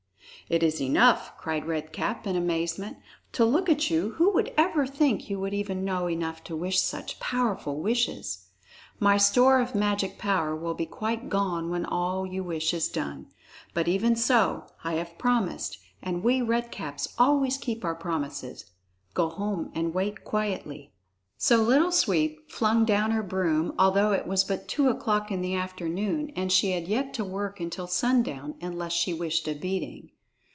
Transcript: "It is enough!" cried Red Cap in amazement. "To look at you, who would ever think you would even know enough to wish such powerful wishes! My store of magic power will be quite gone when all you wish is done; but even so, I have promised, and we Red Caps always keep our promises. Go home and wait quietly." So Little Sweep flung down her broom, although it was but two o'clock in the afternoon and she had yet to work until sundown, unless she wished a beating.